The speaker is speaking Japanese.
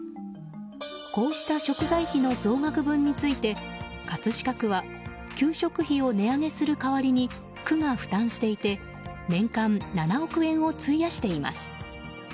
こうした食材費の増額分について葛飾区は給食費を値上げする代わりに区が負担していて年間７億円を費やしています。